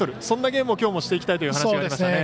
そんなゲームをきょうもしていきたいという話がありました。